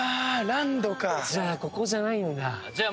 ランドかじゃあここじゃないんだじゃあ